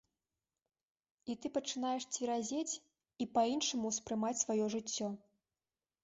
І ты пачынаеш цверазець і па-іншаму ўспрымаць сваё жыццё.